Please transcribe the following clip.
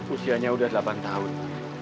usianya udah delapan tahun